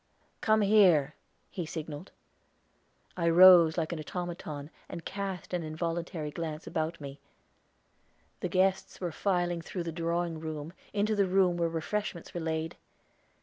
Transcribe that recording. "Come here," he signaled. I rose like an automaton, and cast an involuntary glance about me; the guests were filing through the drawing room, into the room where refreshments were laid.